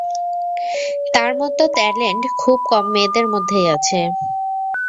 তার মত ট্যালেন্ট খুব কম মেয়েদের মধ্যেই আছে।